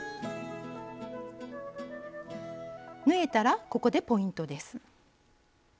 縫えたらここでポイントです。